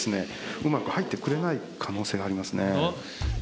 うまく入ってくれない可能性がありますね。